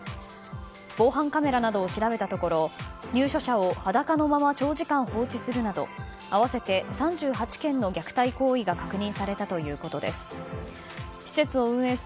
防犯カメラなどを調べたところ入所者を裸のまま長時間、放置するなど合わせて３８件の虐待行為が確認されたということです。